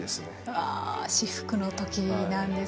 ああ至福の時なんですね。